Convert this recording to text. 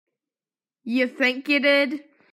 You think you did.